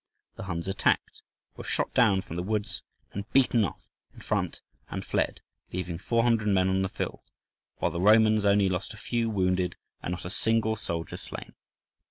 The Huns attacked, were shot down from the woods and beaten off in front, and fled leaving 400 men on the field, while the Romans only lost a few wounded and not a single soldier slain.